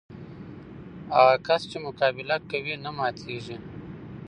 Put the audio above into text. هغه کس چې مقابله کوي، نه ماتېږي.